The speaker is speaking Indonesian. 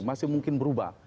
masih mungkin berubah